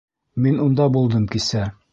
Мин унда булдым кисә.